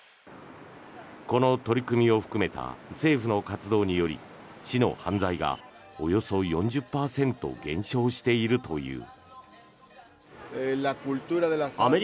この取り組みを含めた政府の活動により市の犯罪がおよそ４０％減少しているという。